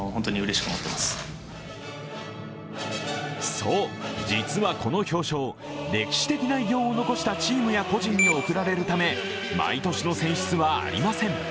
そう、実はこの表彰、歴史的な偉業を残したチームや個人に贈られるため毎年の選出はありません。